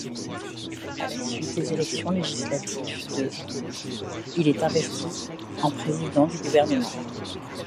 À la suite des élections législatives de, il est investi en président du gouvernement.